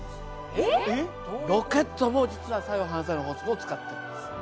ロケットも実は作用・反作用の法則を使っているんです。